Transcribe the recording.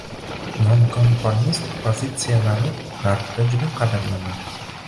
nonkonformistik pozitsiyalari G‘arbda juda qadrlanadi;